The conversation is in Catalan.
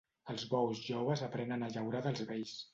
Els bous joves aprenen a llaurar dels vells.